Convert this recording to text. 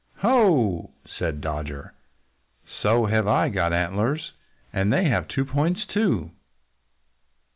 "Ho!" said Dodger. "So have I got antlers. And they have two points, too."